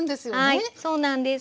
はいそうなんです。